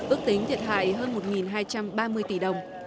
ước tính thiệt hại hơn một hai trăm ba mươi tỷ đồng